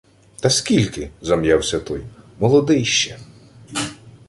— Та скільки? — зам'явся той. — Молодий ще...